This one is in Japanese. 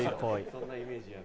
そんなイメージある。